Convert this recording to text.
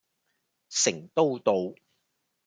成都道